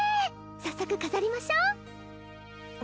早速飾りましょう。